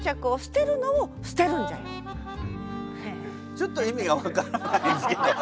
ちょっと意味が分からないんですけど。